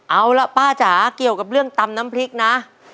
เอาล่ะป้าจ๋าเกี่ยวกับเรื่องตำน้ำพริกนะ